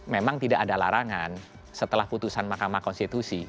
memang tidak ada larangan setelah putusan mahkamah konstitusi